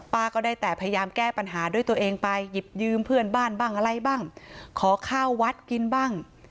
ก็ได้แต่พยายามแก้ปัญหาด้วยตัวเองไปหยิบยืมเพื่อนบ้านบ้างอะไรบ้างขอข้าววัดกินบ้าง